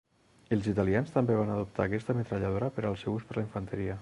Els italians també van adoptar aquesta metralladora per al seu ús per la infanteria.